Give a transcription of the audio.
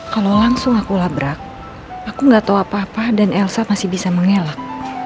kalau langsung aku labrak aku nggak tahu apa apa dan elsa masih bisa mengelak